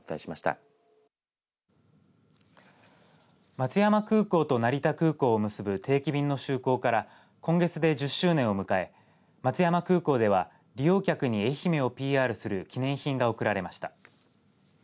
松山空港と成田空港を結ぶ定期便の就航から今月で１０周年を迎え松山空港では利用客に愛媛をＰＲする記念品が贈られました。